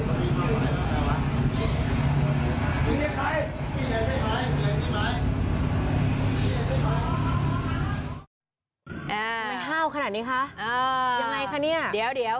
ทำไมห้าวขนาดนี้คะยังไงคะเนี่ย